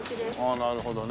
なるほどね。